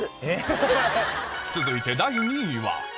続いて第２位は？